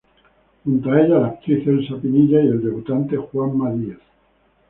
Junto a ella, la actriz Elsa Pinilla y el debutante Juanma Díez.